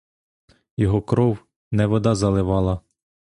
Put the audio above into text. Його кров, не вода заливала.